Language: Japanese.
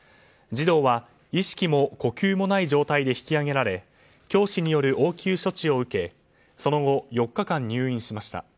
児童は意識も呼吸もない状態で引き上げられ教師による応急処置を受けその後、４日間入院しました。